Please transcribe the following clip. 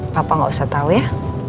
papa nggak usah tahu ya